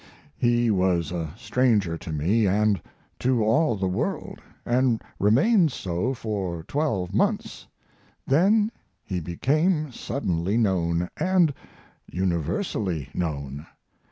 He was a stranger to me and to all the world, and remained so for twelve months, then he became suddenly known, and universally known.